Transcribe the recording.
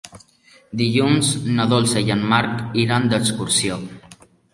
Dilluns na Dolça i en Marc iran d'excursió.